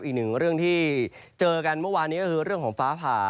อีกหนึ่งเรื่องที่เจอกันเมื่อวานนี้ก็คือเรื่องของฟ้าผ่า